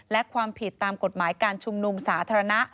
และความผิดตามกฎหมายการชุมนุมสาธารณะ